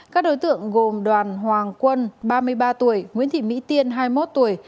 các đối tượng gồm đoàn hoàng quân ba mươi ba tuổi nguyễn thị mỹ tiên hai mươi một tuổi